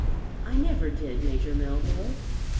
'I never did, Major Melville.